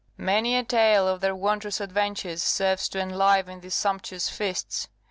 Many a tale of their wondrous adventures serves to enliven these sumptuous feasts.